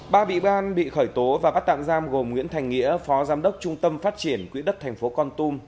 ba bị can bị khởi tố và bắt tạm giam gồm nguyễn thành nghĩa phó giám đốc trung tâm phát triển quỹ đất thành phố con tum